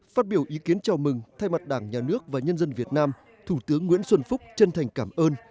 phát biểu ý kiến chào mừng thay mặt đảng nhà nước và nhân dân việt nam thủ tướng nguyễn xuân phúc chân thành cảm ơn